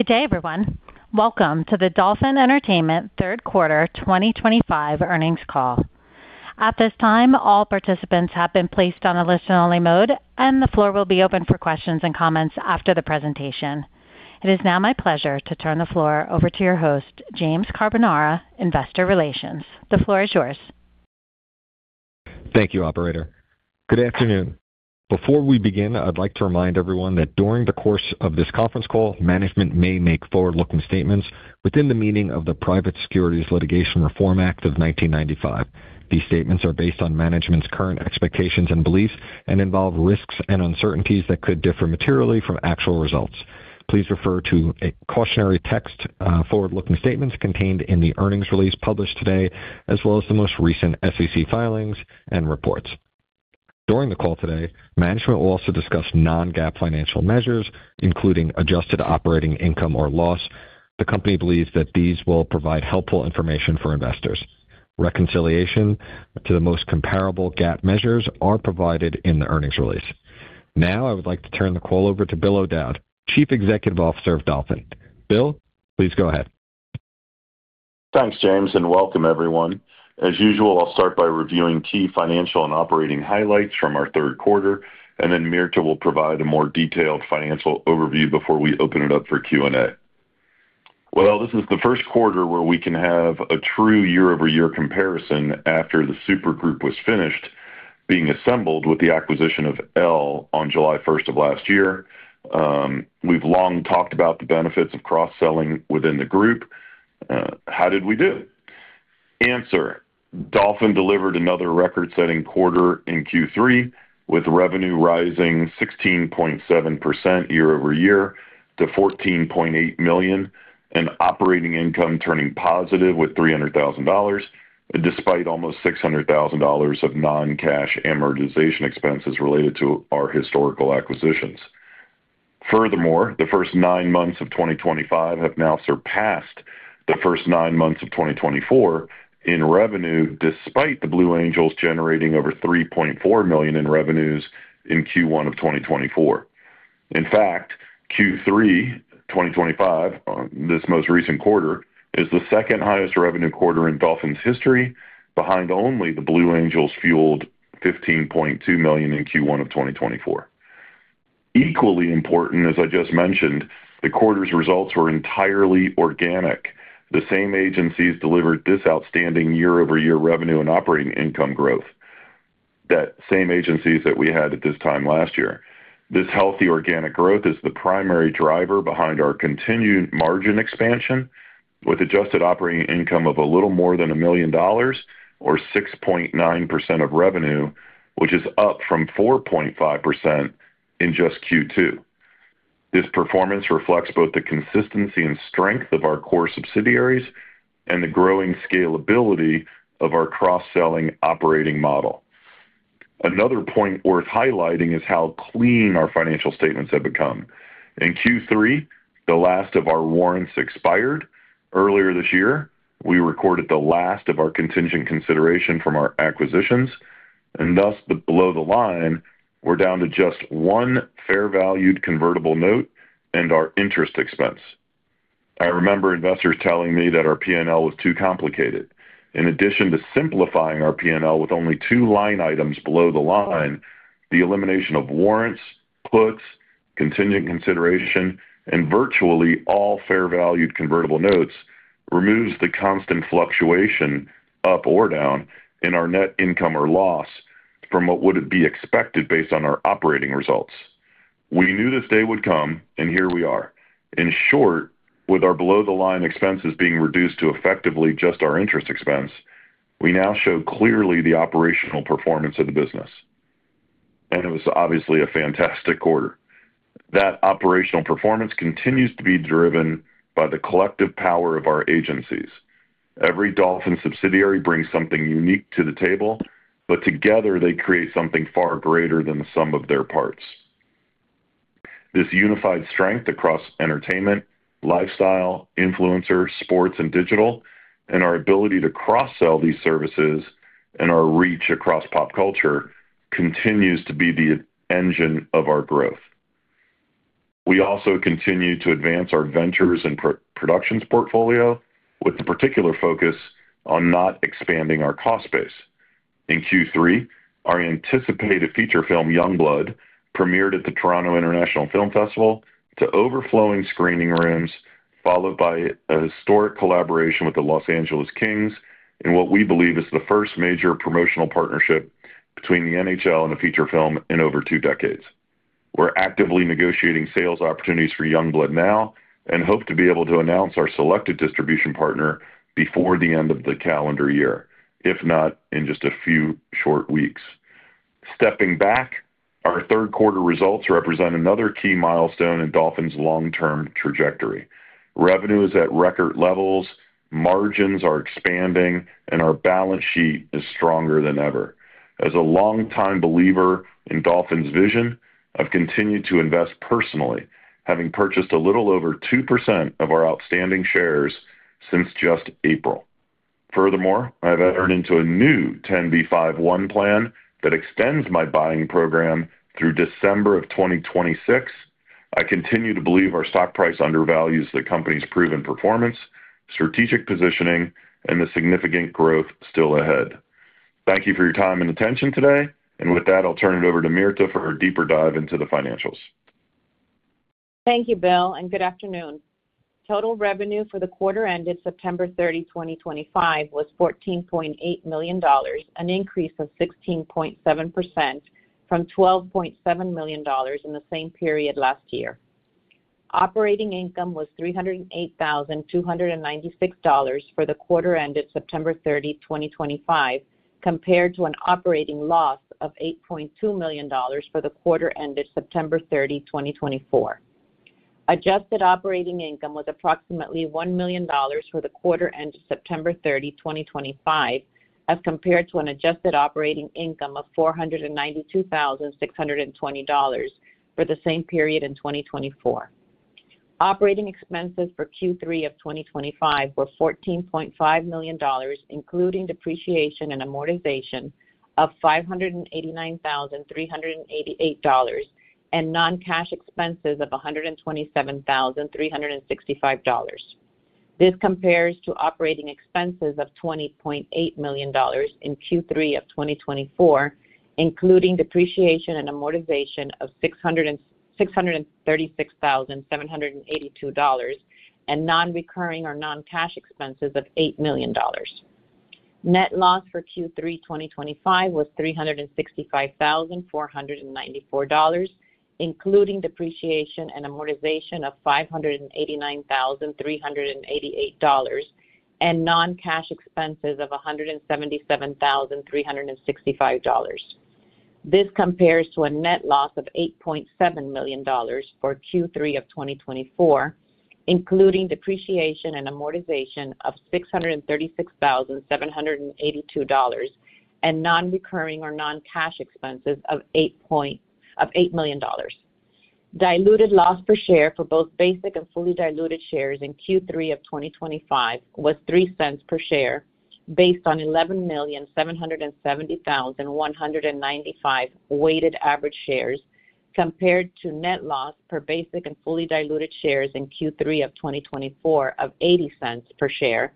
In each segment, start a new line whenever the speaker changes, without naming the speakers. Good day, everyone. Welcome to the Dolphin Entertainment Third Quarter 2025 Earnings Call. At this time, all participants have been placed on a listen-only mode, and the floor will be open for questions and comments after the presentation. It is now my pleasure to turn the floor over to your host, James Carbonara, Investor Relations. The floor is yours.
Thank you, Operator. Good afternoon. Before we begin, I'd like to remind everyone that during the course of this conference call, management may make forward-looking statements within the meaning of the Private Securities Litigation Reform Act of 1995. These statements are based on management's current expectations and beliefs and involve risks and uncertainties that could differ materially from actual results. Please refer to a cautionary text forward-looking statements contained in the earnings release published today, as well as the most recent SEC filings and reports. During the call today, management will also discuss non-GAAP financial measures, including adjusted operating income or loss. The company believes that these will provide helpful information for investors. Reconciliation to the most comparable GAAP measures are provided in the earnings release. Now, I would like to turn the call over to Bill O'Dowd, Chief Executive Officer of Dolphin. Bill, please go ahead.
Thanks, James, and welcome, everyone. As usual, I'll start by reviewing key financial and operating highlights from our third quarter, and then Mirta will provide a more detailed financial overview before we open it up for Q&A. This is the first quarter where we can have a true year-over-year comparison after the super group was finished being assembled with the acquisition of El on July 1st of last year. We've long talked about the benefits of cross-selling within the group. How did we do? Answer: Dolphin delivered another record-setting quarter in Q3, with revenue rising 16.7% year-over-year to $14.8 million and operating income turning positive with $300,000, despite almost $600,000 of non-cash amortization expenses related to our historical acquisitions. Furthermore, the first nine months of 2025 have now surpassed the first nine months of 2024 in revenue, despite the Blue Angels generating over $3.4 million in revenues in Q1 of 2024. In fact, Q3 2025, this most recent quarter, is the second highest revenue quarter in Dolphin's history, behind only the Blue Angels-fueled $15.2 million in Q1 of 2024. Equally important, as I just mentioned, the quarter's results were entirely organic. The same agencies delivered this outstanding year-over-year revenue and operating income growth—the same agencies that we had at this time last year. This healthy organic growth is the primary driver behind our continued margin expansion, with adjusted operating income of a little more than $1 million or 6.9% of revenue, which is up from 4.5% in just Q2. This performance reflects both the consistency and strength of our core subsidiaries and the growing scalability of our cross-selling operating model. Another point worth highlighting is how clean our financial statements have become. In Q3, the last of our warrants expired. Earlier this year, we recorded the last of our contingent consideration from our acquisitions, and thus, below the line, we're down to just one fair-valued convertible note and our interest expense. I remember investors telling me that our P&L was too complicated. In addition to simplifying our P&L with only two line items below the line, the elimination of warrants, puts, contingent consideration, and virtually all fair-valued convertible notes removes the constant fluctuation up or down in our net income or loss from what would be expected based on our operating results. We knew this day would come, and here we are. In short, with our below-the-line expenses being reduced to effectively just our interest expense, we now show clearly the operational performance of the business. It was obviously a fantastic quarter. That operational performance continues to be driven by the collective power of our agencies. Every Dolphin subsidiary brings something unique to the table, but together they create something far greater than the sum of their parts. This unified strength across entertainment, lifestyle, influencers, sports, and digital, and our ability to cross-sell these services and our reach across pop culture continues to be the engine of our growth. We also continue to advance our ventures and productions portfolio with a particular focus on not expanding our cost base. In Q3, our anticipated feature film, Youngblood, premiered at the Toronto International Film Festival to overflowing screening rooms, followed by a historic collaboration with the Los Angeles Kings in what we believe is the first major promotional partnership between the NHL and a feature film in over two decades. We're actively negotiating sales opportunities for Youngblood now and hope to be able to announce our selected distribution partner before the end of the calendar year, if not in just a few short weeks. Stepping back, our third quarter results represent another key milestone in Dolphin's long-term trajectory. Revenue is at record levels, margins are expanding, and our balance sheet is stronger than ever. As a longtime believer in Dolphin's vision, I've continued to invest personally, having purchased a little over 2% of our outstanding shares since just April. Furthermore, I've entered into a new 10b5-1 plan that extends my buying program through December of 2026. I continue to believe our stock price undervalues the company's proven performance, strategic positioning, and the significant growth still ahead. Thank you for your time and attention today. With that, I'll turn it over to Mirta for her deeper dive into the financials.
Thank you, Bill, and good afternoon. Total revenue for the quarter ended September 30, 2025, was $14.8 million, an increase of 16.7% from $12.7 million in the same period last year. Operating income was $308,296 for the quarter ended September 30, 2025, compared to an operating loss of $8.2 million for the quarter ended September 30, 2024. Adjusted operating income was approximately $1 million for the quarter ended September 30, 2025, as compared to an adjusted operating income of $492,620 for the same period in 2024. Operating expenses for Q3 of 2025 were $14.5 million, including depreciation and amortization of $589,388 and non-cash expenses of $127,365. This compares to operating expenses of $20.8 million in Q3 of 2024, including depreciation and amortization of $636,782 and non-recurring or non-cash expenses of $8 million. Net loss for Q3 2025 was $365,494, including depreciation and amortization of $589,388 and non-cash expenses of $177,365. This compares to a net loss of $8.7 million for Q3 of 2024, including depreciation and amortization of $636,782 and non-recurring or non-cash expenses of $8 million. Diluted loss per share for both basic and fully diluted shares in Q3 of 2025 was $0.03 per share based on 11,770,195 weighted average shares, compared to net loss per basic and fully diluted shares in Q3 of 2024 of $0.80 per share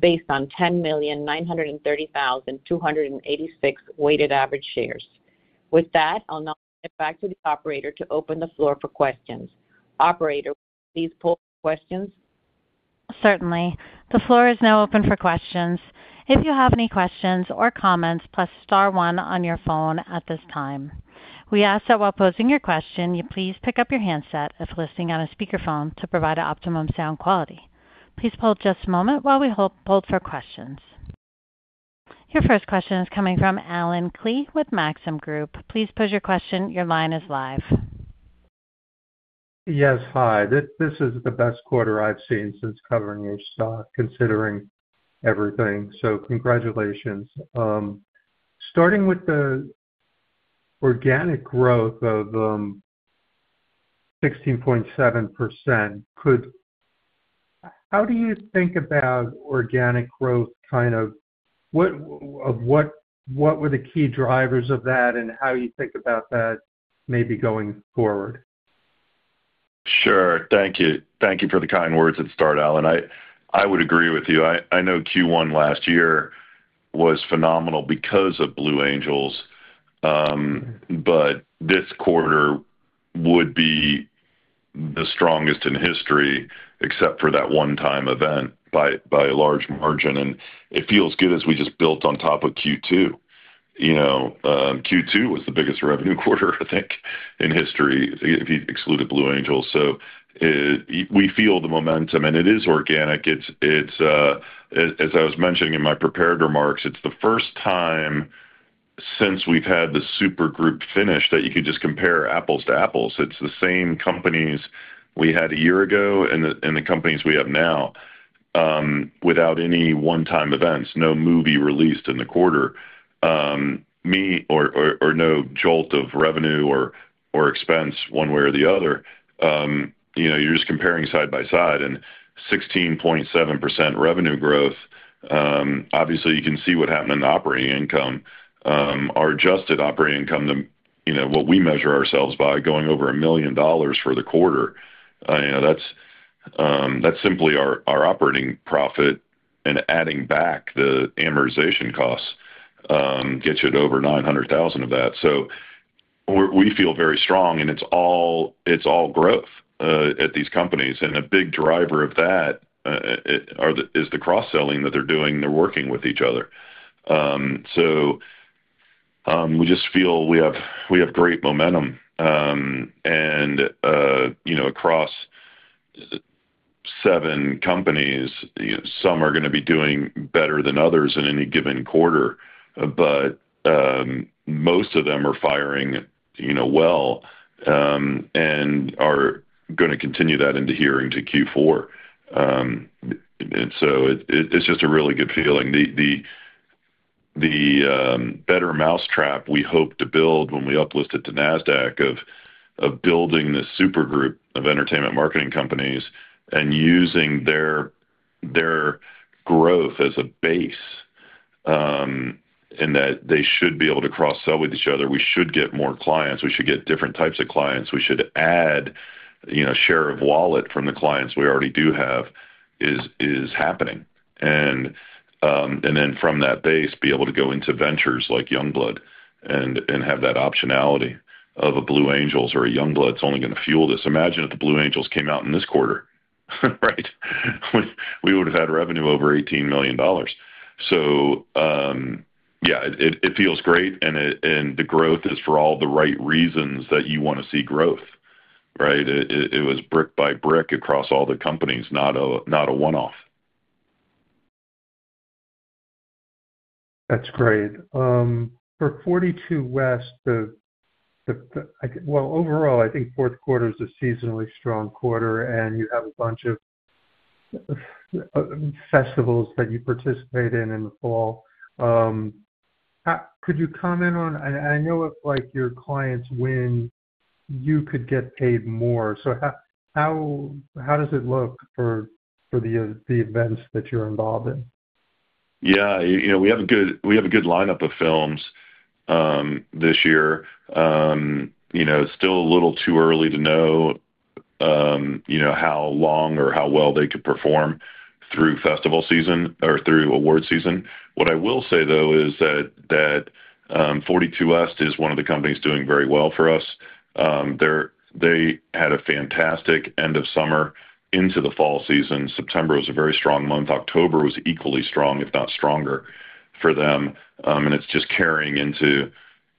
based on 10,930,286 weighted average shares. With that, I'll now turn it back to the Operator to open the floor for questions. Operator, please pull up questions.
Certainly. The floor is now open for questions. If you have any questions or comments, press star one on your phone at this time. We ask that while posing your question, you please pick up your handset if listening on a speakerphone to provide optimum sound quality. Please hold just a moment while we hold for questions. Your first question is coming from Alan Klee with Maxim Group. Please pose your question. Your line is live.
Yes, hi. This is the best quarter I've seen since covering your stock, considering everything. So congratulations. Starting with the organic growth of 16.7%, how do you think about organic growth? What were the key drivers of that, and how do you think about that maybe going forward?
Sure. Thank you. Thank you for the kind words at the start, Alan. I would agree with you. I know Q1 last year was phenomenal because of Blue Angels, but this quarter would be the strongest in history, except for that one-time event, by a large margin. It feels good as we just built on top of Q2. Q2 was the biggest revenue quarter, I think, in history, if you exclude Blue Angels. We feel the momentum, and it is organic. As I was mentioning in my prepared remarks, it's the first time since we've had the super group finished that you could just compare apples to apples. It's the same companies we had a year ago and the companies we have now without any one-time events, no movie released in the quarter, or no jolt of revenue or expense one way or the other. You're just comparing side by side, and 16.7% revenue growth, obviously, you can see what happened in the operating income. Our adjusted operating income, what we measure ourselves by, going over $1 million for the quarter, that's simply our operating profit, and adding back the amortization costs gets you to over $900,000 of that. We feel very strong, and it's all growth at these companies. A big driver of that is the cross-selling that they're doing. They're working with each other. We just feel we have great momentum. Across seven companies, some are going to be doing better than others in any given quarter, but most of them are firing well and are going to continue that into hearing to Q4. It's just a really good feeling. The better mousetrap we hope to build when we uplist it to NASDAQ of building this super group of entertainment marketing companies and using their growth as a base and that they should be able to cross-sell with each other. We should get more clients. We should get different types of clients. We should add share of wallet from the clients we already do have is happening. From that base, be able to go into ventures like Youngblood and have that optionality of a Blue Angels or a Youngblood. It's only going to fuel this. Imagine if the Blue Angels came out in this quarter, right? We would have had revenue over $18 million. Yeah, it feels great, and the growth is for all the right reasons that you want to see growth, right? It was brick by brick across all the companies, not a one-off.
That's great. For 42West, overall, I think fourth quarter is a seasonally strong quarter, and you have a bunch of festivals that you participate in in the fall. Could you comment on, and I know it's like your clients win; you could get paid more. How does it look for the events that you're involved in?
Yeah. We have a good lineup of films this year. It's still a little too early to know how long or how well they could perform through festival season or through award season. What I will say, though, is that 42West is one of the companies doing very well for us. They had a fantastic end of summer into the fall season. September was a very strong month. October was equally strong, if not stronger, for them. It's just carrying into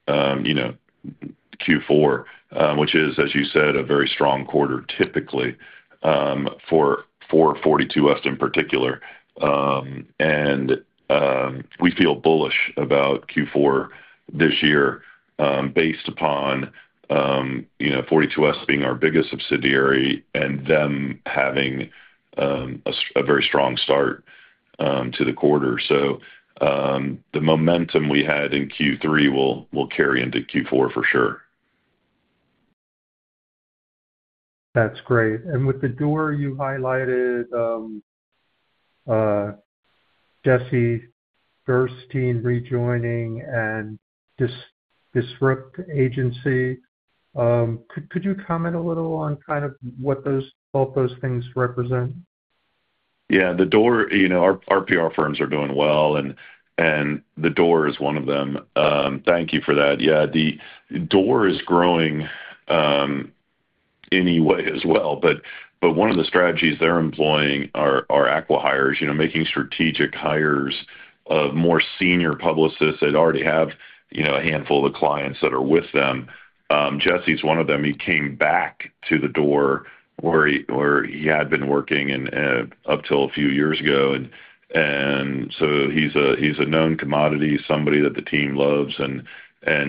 Q4, which is, as you said, a very strong quarter typically for 42West in particular. We feel bullish about Q4 this year based upon 42West being our biggest subsidiary and them having a very strong start to the quarter. The momentum we had in Q3 will carry into Q4 for sure.
That's great. With The Door you highlighted, Jesse Durstine rejoining, and Disrupt Agency, could you comment a little on kind of what both those things represent?
Yeah. The Door, our PR firms are doing well, and The Door is one of them. Thank you for that. Yeah. The Door is growing anyway as well. One of the strategies they're employing are acqui-hires, making strategic hires of more senior publicists that already have a handful of the clients that are with them. Jesse's one of them. He came back to The Door where he had been working up until a few years ago. He is a known commodity, somebody that the team loves.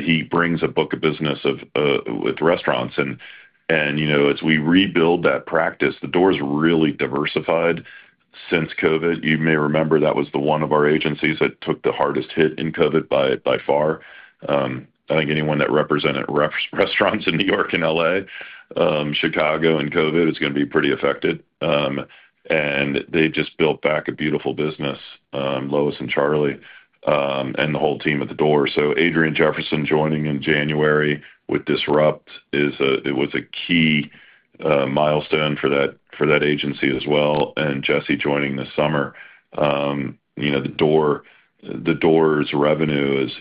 He brings a book of business with restaurants. As we rebuild that practice, The Door's really diversified since COVID. You may remember that was one of our agencies that took the hardest hit in COVID by far. I think anyone that represented restaurants in New York and LA, Chicago in COVID is going to be pretty affected. They just built back a beautiful business, Lois and Charlie, and the whole team at The Door. Adrian Jefferson joining in January with Disrupt was a key milestone for that agency as well. Jesse joining this summer. The Door's revenue is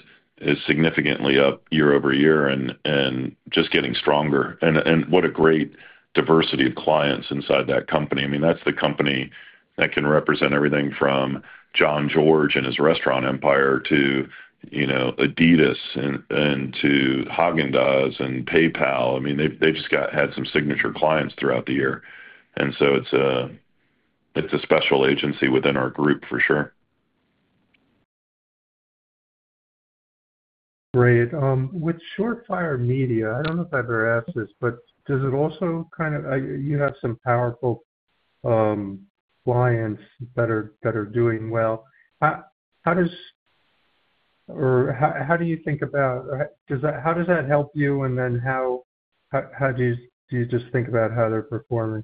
significantly up year-over-year and just getting stronger. What a great diversity of clients inside that company. I mean, that's the company that can represent everything from John George and his restaurant empire to Adidas and to Häagen-Dazs and PayPal. I mean, they've just had some signature clients throughout the year. It is a special agency within our group for sure.
Great. With Shortfire Media, I don't know if I've ever asked this, but does it also kind of you have some powerful clients that are doing well. How do you think about how does that help you? And then how do you just think about how they're performing?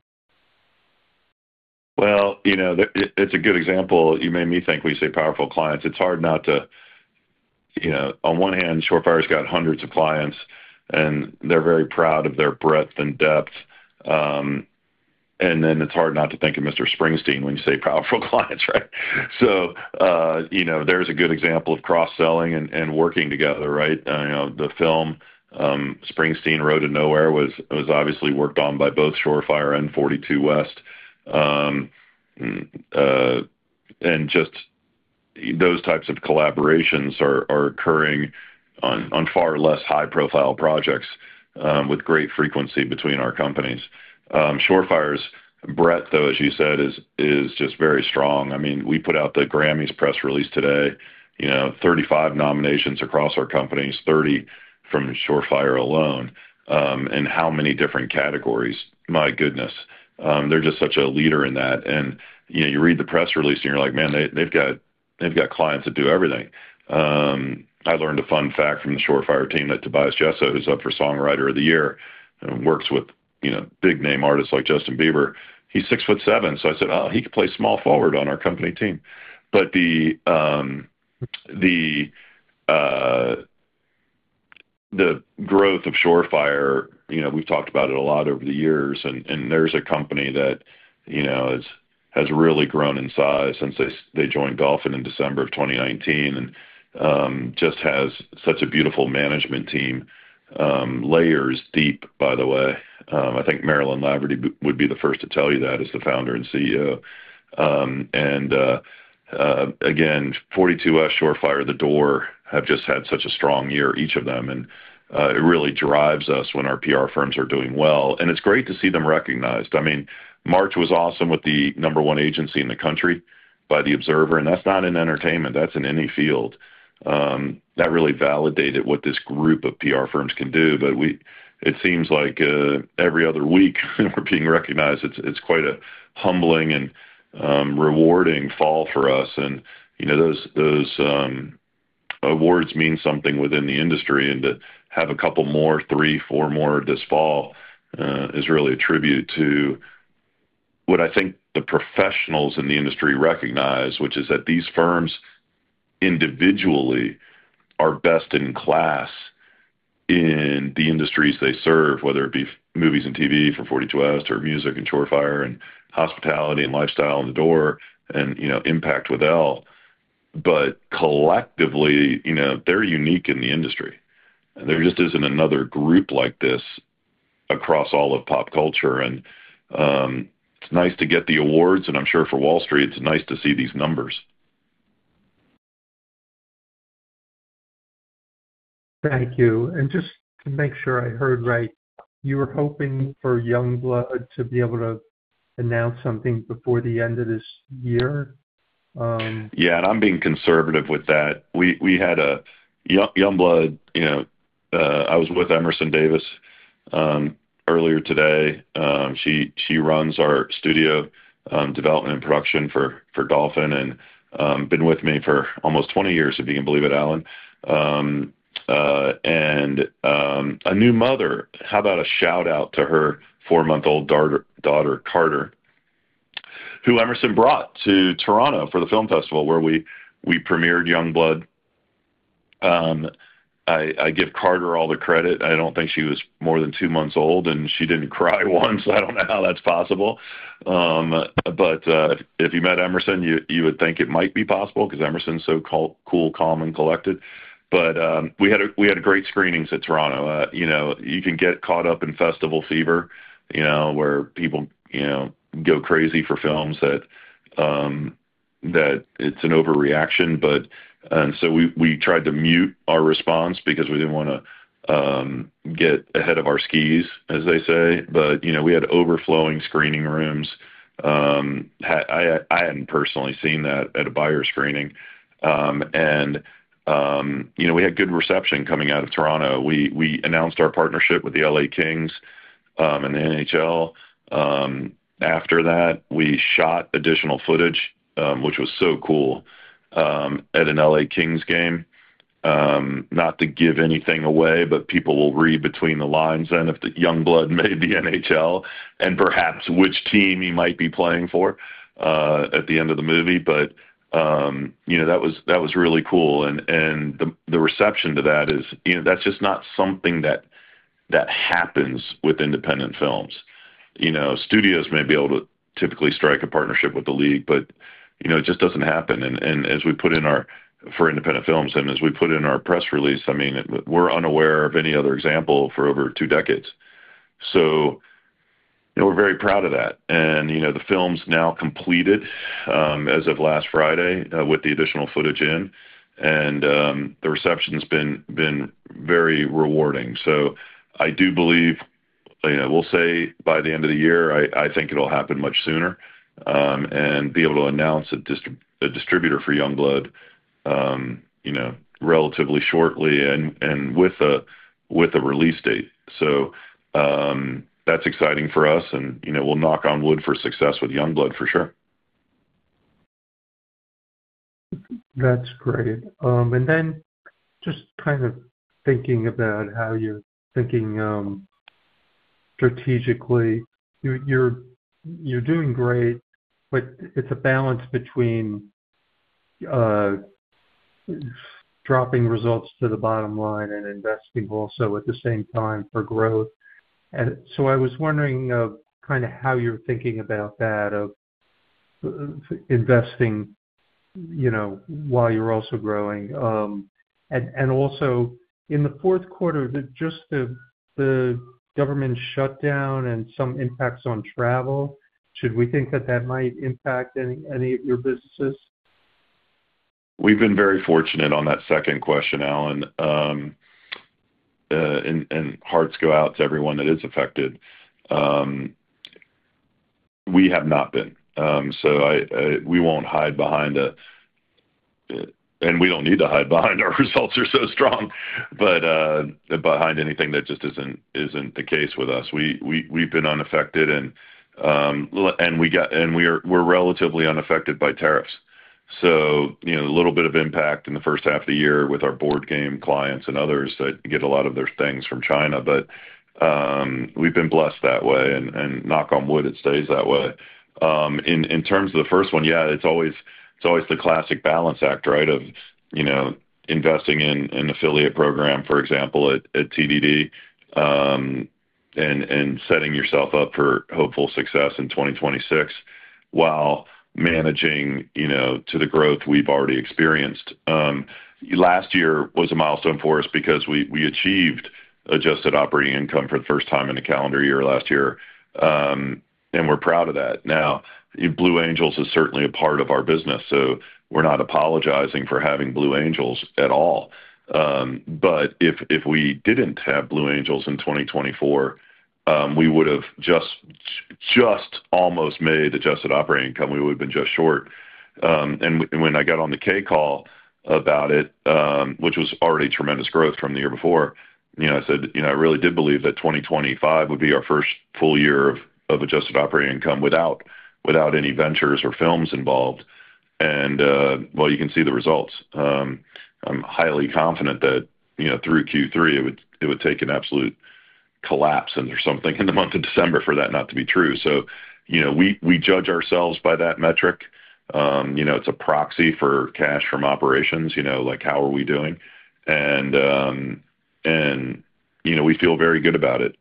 It's a good example. You made me think when you say powerful clients. It's hard not to, on one hand, Shortfire's got hundreds of clients, and they're very proud of their breadth and depth. It's hard not to think of Mr. Springsteen when you say powerful clients, right? There's a good example of cross-selling and working together, right? The film Springsteen Road to Nowhere was obviously worked on by both Shortfire and 42West. Just those types of collaborations are occurring on far less high-profile projects with great frequency between our companies. Shortfire's breadth, though, as you said, is just very strong. I mean, we put out the Grammy's press release today, 35 nominations across our companies, 30 from Shortfire alone, in how many different categories. My goodness. They're just such a leader in that. You read the press release, and you're like, "Man, they've got clients that do everything." I learned a fun fact from the Shortfire team that Tobias Jessa, who's up for Songwriter of the Year and works with big-name artists like Justin Bieber, he's 6'7". I said, "Oh, he could play small forward on our company team." The growth of Shortfire, we've talked about it a lot over the years, and there's a company that has really grown in size since they joined Dolphin in December of 2019 and just has such a beautiful management team, layers deep, by the way. I think Marilyn Laverty would be the first to tell you that as the founder and CEO. 42West, Shortfire, The Door have just had such a strong year, each of them. It really drives us when our PR firms are doing well. It's great to see them recognized. I mean, March was awesome with the number one agency in the country by The Observer. That's not in entertainment. That's in any field. That really validated what this group of PR firms can do. It seems like every other week we're being recognized. It's quite a humbling and rewarding fall for us. Those awards mean something within the industry. To have a couple more, three, four more this fall is really a tribute to what I think the professionals in the industry recognize, which is that these firms individually are best in class in the industries they serve, whether it be movies and TV for 42West or music and Shortfire and hospitality and lifestyle and The Door and Impact with Elle. Collectively, they're unique in the industry. There just isn't another group like this across all of pop culture. It is nice to get the awards, and I'm sure for Wall Street, it's nice to see these numbers.
Thank you. Just to make sure I heard right, you were hoping for Youngblood to be able to announce something before the end of this year?
Yeah. I am being conservative with that. Youngblood, I was with Emerson Davis earlier today. She runs our studio development and production for Dolphin and has been with me for almost 20 years, if you can believe it, Alan. A new mother, how about a shout-out to her four-month-old daughter, Carter, who Emerson brought to Toronto for the film festival where we premiered Youngblood. I give Carter all the credit. I do not think she was more than two months old, and she did not cry once. I do not know how that is possible. If you met Emerson, you would think it might be possible because Emerson is so cool, calm, and collected. We had great screenings at Toronto. You can get caught up in festival fever where people go crazy for films that it is an overreaction. We tried to mute our response because we did not want to get ahead of our skis, as they say. We had overflowing screening rooms. I had not personally seen that at a buyer screening. We had good reception coming out of Toronto. We announced our partnership with the LA Kings and the NHL. After that, we shot additional footage, which was so cool, at an LA Kings game. Not to give anything away, but people will read between the lines then if the Youngblood may be NHL and perhaps which team he might be playing for at the end of the movie. That was really cool. The reception to that is that is just not something that happens with independent films. Studios may be able to typically strike a partnership with the league, but it just does not happen. As we put in our for independent films and as we put in our press release, I mean, we're unaware of any other example for over two decades. We're very proud of that. The film's now completed as of last Friday with the additional footage in. The reception's been very rewarding. I do believe we'll say by the end of the year, I think it'll happen much sooner and be able to announce a distributor for Youngblood relatively shortly with a release date. That's exciting for us. We'll knock on wood for success with Youngblood for sure.
That's great. And then just kind of thinking about how you're thinking strategically, you're doing great, but it's a balance between dropping results to the bottom line and investing also at the same time for growth. I was wondering kind of how you're thinking about that of investing while you're also growing. Also in the fourth quarter, just the government shutdown and some impacts on travel, should we think that that might impact any of your businesses?
We've been very fortunate on that second question, Alan. Hearts go out to everyone that is affected. We have not been. We will not hide behind a and we do not need to hide behind our results are so strong, but behind anything that just is not the case with us. We have been unaffected, and we are relatively unaffected by tariffs. A little bit of impact in the first half of the year with our board game clients and others that get a lot of their things from China. We have been blessed that way. Knock on wood, it stays that way. In terms of the first one, yeah, it is always the classic balance act, right, of investing in an affiliate program, for example, at TDD and setting yourself up for hopeful success in 2026 while managing to the growth we have already experienced. Last year was a milestone for us because we achieved adjusted operating income for the first time in a calendar year last year. We are proud of that. Now, Blue Angels is certainly a part of our business. We are not apologizing for having Blue Angels at all. If we did not have Blue Angels in 2024, we would have just almost made adjusted operating income. We would have been just short. When I got on the K-Call about it, which was already tremendous growth from the year before, I said, "I really did believe that 2025 would be our first full year of adjusted operating income without any ventures or films involved." You can see the results. I am highly confident that through Q3, it would take an absolute collapse and something in the month of December for that not to be true. We judge ourselves by that metric. It's a proxy for cash from operations, like how are we doing? We feel very good about it.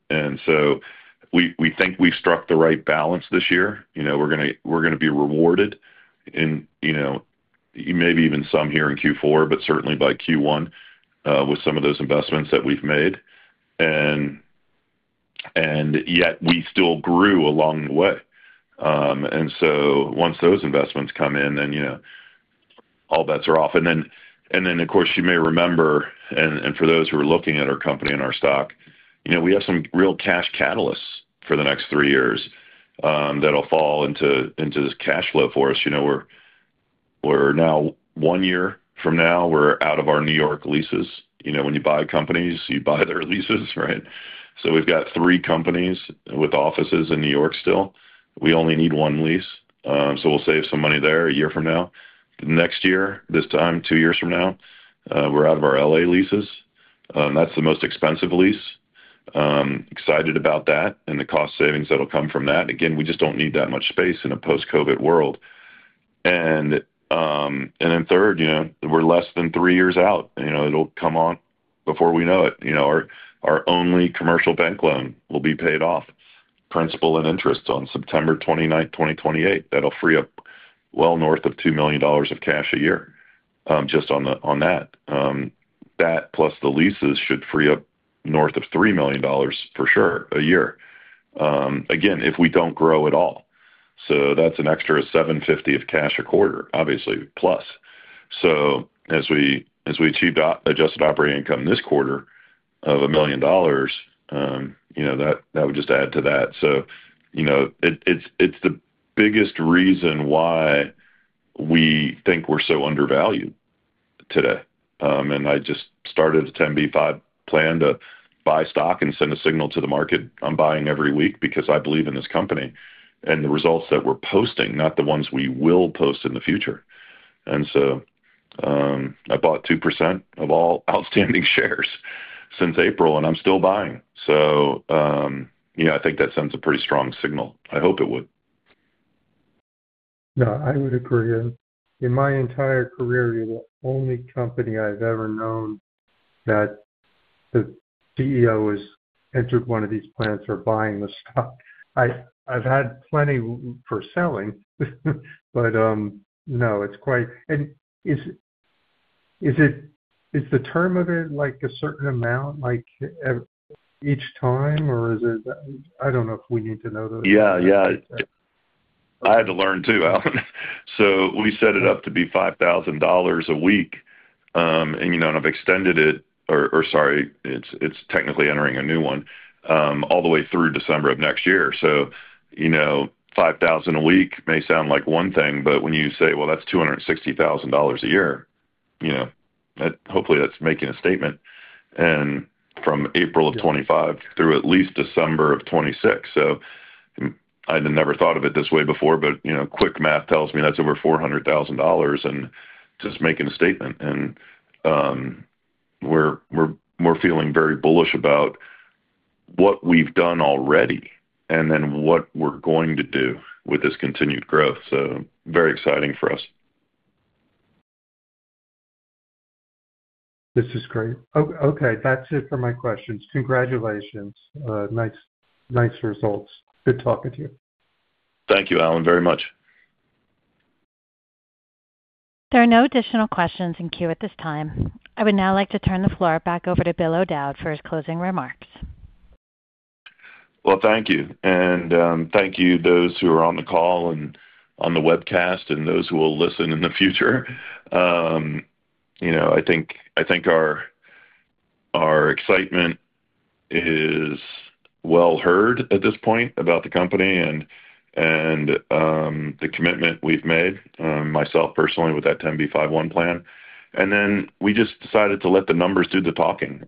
We think we've struck the right balance this year. We're going to be rewarded in maybe even some here in Q4, but certainly by Q1 with some of those investments that we've made. Yet we still grew along the way. Once those investments come in, then all bets are off. Of course, you may remember, and for those who are looking at our company and our stock, we have some real cash catalysts for the next three years that'll fall into this cash flow for us. We're now one year from now, we're out of our New York leases. When you buy companies, you buy their leases, right? We've got three companies with offices in New York still. We only need one lease. We'll save some money there a year from now. Next year, this time, two years from now, we're out of our LA leases. That's the most expensive lease. Excited about that and the cost savings that'll come from that. Again, we just don't need that much space in a post-COVID world. Then third, we're less than three years out. It'll come on before we know it. Our only commercial bank loan will be paid off. Principal and interest on September 29, 2028. That'll free up well north of $2 million of cash a year just on that. That plus the leases should free up north of $3 million for sure a year. Again, if we don't grow at all. That's an extra $750,000 of cash a quarter, obviously, plus. As we achieved adjusted operating income this quarter of $1 million, that would just add to that. It is the biggest reason why we think we are so undervalued today. I just started a Rule 10b5-1 plan to buy stock and send a signal to the market. I am buying every week because I believe in this company and the results that we are posting, not the ones we will post in the future. I bought 2% of all outstanding shares since April, and I am still buying. I think that sends a pretty strong signal. I hope it would.
No, I would agree. In my entire career, the only company I've ever known that the CEO has entered one of these plans for buying the stock. I've had plenty for selling, but no, it's quite, and is the term of it like a certain amount each time, or is it? I don't know if we need to know this.
Yeah, yeah. I had to learn too, Alan. We set it up to be $5,000 a week. I've extended it, or sorry, it's technically entering a new one, all the way through December of next year. $5,000 a week may sound like one thing, but when you say, "Well, that's $260,000 a year," hopefully that's making a statement. From April of 2025 through at least December of 2026. I had never thought of it this way before, but quick math tells me that's over $400,000 and just making a statement. We're feeling very bullish about what we've done already and then what we're going to do with this continued growth. Very exciting for us.
This is great. Okay. That's it for my questions. Congratulations. Nice results. Good talking to you.
Thank you, Alan, very much.
There are no additional questions in queue at this time. I would now like to turn the floor back over to Bill O'Dowd for his closing remarks.
Thank you. Thank you to those who are on the call and on the webcast and those who will listen in the future. I think our excitement is well heard at this point about the company and the commitment we've made, myself personally with that 10b5-1 plan. We just decided to let the numbers do the talking.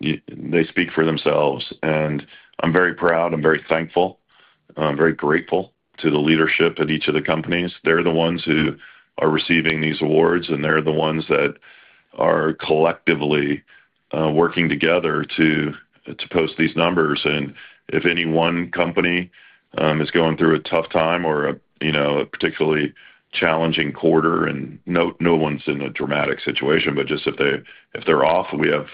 They speak for themselves. I'm very proud. I'm very thankful. I'm very grateful to the leadership at each of the companies. They're the ones who are receiving these awards, and they're the ones that are collectively working together to post these numbers. If any one company is going through a tough time or a particularly challenging quarter, and no one's in a dramatic situation, but just if they're off, we have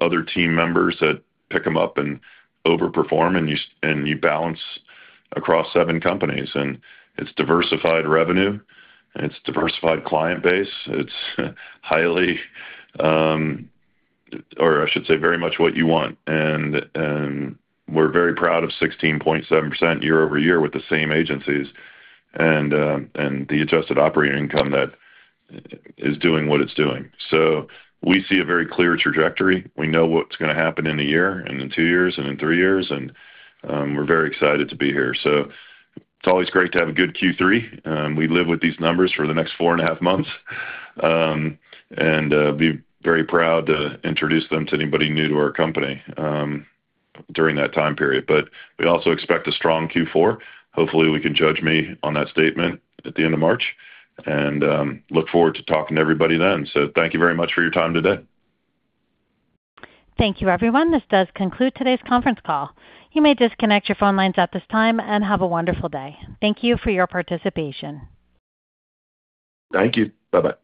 other team members that pick them up and overperform, and you balance across seven companies. It is diversified revenue. It is a diversified client base. It is highly, or I should say very much what you want. We are very proud of 16.7% year-over-year with the same agencies and the adjusted operating income that is doing what it is doing. We see a very clear trajectory. We know what is going to happen in a year and in two years and in three years. We are very excited to be here. It is always great to have a good Q3. We live with these numbers for the next four and a half months. Be very proud to introduce them to anybody new to our company during that time period. We also expect a strong Q4. Hopefully, you can judge me on that statement at the end of March. I look forward to talking to everybody then. Thank you very much for your time today.
Thank you, everyone. This does conclude today's conference call. You may disconnect your phone lines at this time and have a wonderful day. Thank you for your participation.
Thank you. Bye-bye.